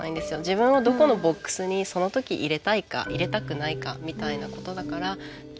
自分をどこのボックスにその時入れたいか入れたくないかみたいなことだから今決め切れなくてもいいし。